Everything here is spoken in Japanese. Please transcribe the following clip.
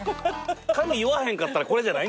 髪結わへんかったらこれじゃないんですよ